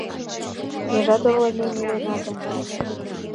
Межат орланен илена да